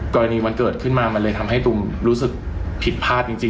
กรณีมันเกิดขึ้นมามันเลยทำให้ตุมรู้สึกผิดพลาดจริง